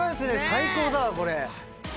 最高だわこれ。